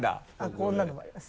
こんなのもあります。